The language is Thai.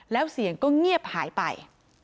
แล้วเสียงก็เงียบหายไป